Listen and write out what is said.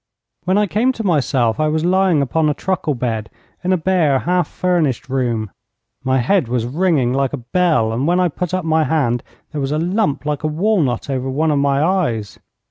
When I came to myself I was lying upon a truckle bed, in a bare, half furnished room. My head was ringing like a bell, and when I put up my hand, there was a lump like a walnut over one of my eyes.